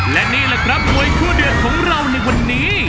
และนี่แหละครับมวยคู่เดือดของเราในวันนี้